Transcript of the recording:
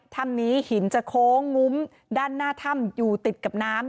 ถ้ำนี้หินจะโค้งงุ้มด้านหน้าถ้ำอยู่ติดกับน้ำ